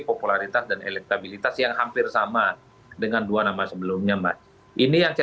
popularitas dan elektabilitas yang hampir sama dengan dua nama sebelumnya mas ini yang saya